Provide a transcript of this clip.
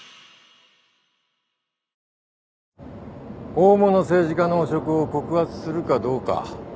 大物政治家の汚職を告発するかどうか。